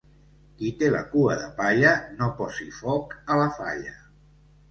Qui té la cua de palla no posi foc a la falla.